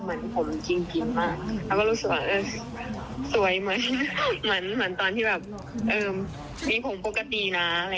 เหมือนผมจริงมากแล้วรู้สึกว่าสวยไหมเหมือนมีผมปกตินะ